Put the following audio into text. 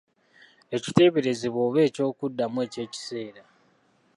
Ekiteeberezebwa oba eky'okuddamu ekyekiseera.